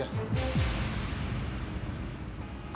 lalu mereka terhidup